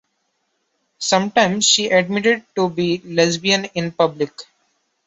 Sometimes, she admitted to be lesbian in public.